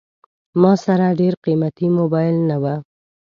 ما سره ډېر قیمتي موبایل نه و.